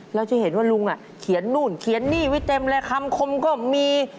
เราจะเห็นว่าลุงเขียนนู่นเขียนนี่ไว้เต็มเลยคำคมก็มี